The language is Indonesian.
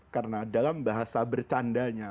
karena dalam bahasa bercandanya